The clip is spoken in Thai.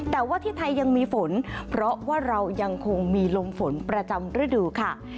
แต่ว่าที่ไทยยังมีฝนเพราะว่าเรายังคงมีลมฝนประจำฤดูค่ะ